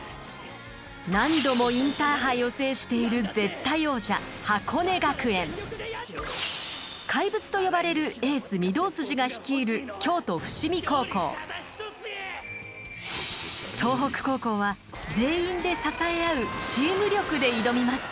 何度もインターハイを制している怪物と呼ばれるエース御堂筋が率いる総北高校は全員で支えあう「チーム力」で挑みます。